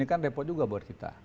ini kan repot juga buat kita